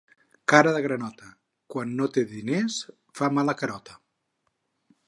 Cara de granota, quan no té diners fa mala carota